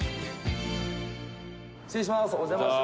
失礼します。